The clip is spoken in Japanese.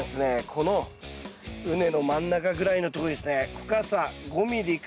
この畝の真ん中ぐらいのとこにですね